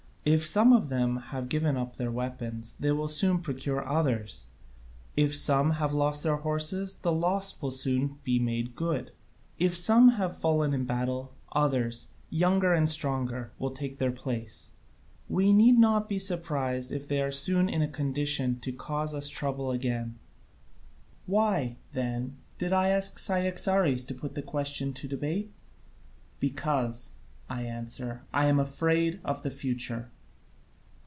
If some of them have given up their weapons, they will soon procure others; if some have lost their horses, the loss will soon be made good; if some have fallen in battle, others, younger and stronger, will take their place. We need not be surprised if they are soon in a condition to cause us trouble again. Why, then, did I ask Cyaxares to put the question to debate? Because, I answer, I am afraid of the future.